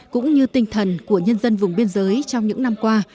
cũng như tinh thần của nhân dân vùng biên giới trong những năm qua